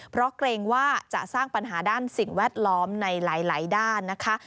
เพราะเกรงว่าจะสร้างปัญหาด้านสิ่งแวดล้อมในหลายด้านนะคะ